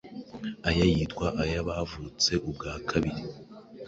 aya yitwa ay’abavutse ubwa kabiri.